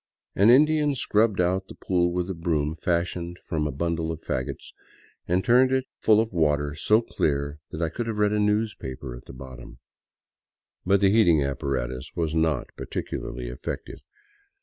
An Indian scrubbed out the pool with a broom fashioned from a bundle of fagots, and turned it full of a water so clear that I could have read a newspaper at the bottom. But the heating apparatus was not particularly effective.